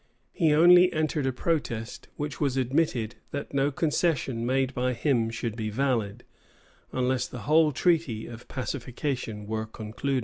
He only entered a protest, which was admitted, that no concession made by him should be valid, unless the whole treaty of pacification were concluded.